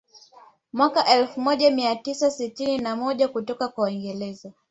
Mwaka elfu moja mia tisa sitini na moja kutoka kwa Uingereza